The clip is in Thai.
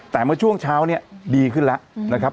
แต่เมื่อช่วงเช้าเนี่ยดีขึ้นแล้วนะครับ